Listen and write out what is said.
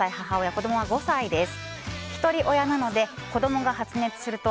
子供は５歳です。